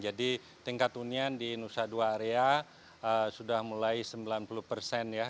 jadi tingkat hunian di nusa dua area sudah mulai sembilan puluh persen ya